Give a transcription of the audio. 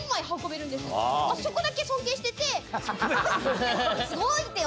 そこだけ尊敬してて。